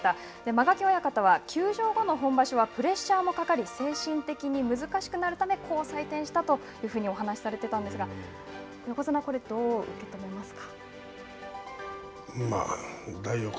間垣親方は休場後の本場所はプレッシャーもかかり精神的に難しくなるためこう採点したというふうにお話しされていたんですが横綱、これ、どう受け止めますか。